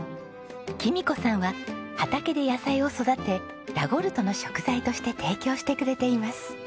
紀美子さんは畑で野菜を育てＬａｇｏｒｔｏの食材として提供してくれています。